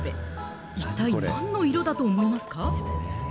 一体なんの色だと思いますか？